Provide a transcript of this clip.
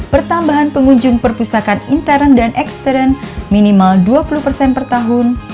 pertambahan pengunjung perpustakaan intern dan ekstern minimal dua puluh persen per tahun